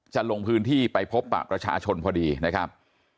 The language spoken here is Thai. จะลงพื้นที่ไปพบกับรัชชนพอดีนะครับ